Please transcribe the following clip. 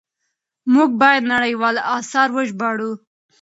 موږ بايد نړيوال آثار وژباړو.